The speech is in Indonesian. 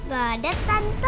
gak ada tante